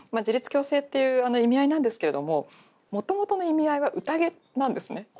「自立共生」っていう意味合いなんですけれどももともとの意味合いは「宴」なんですね。